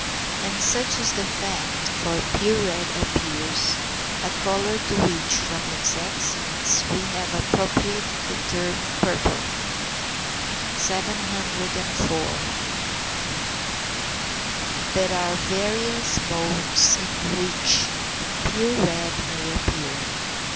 And such is the fact, for pure red appears; a colour to which, from its excellence, we have appropriated the term "purpur." 704. There are various modes in which pure red may appear.